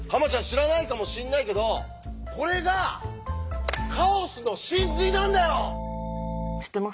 知らないかもしんないけどこれがカオスの神髄なんだよ！